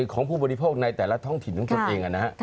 ของผู้บริโภคในแต่ละท้องถิ่นของตนเอง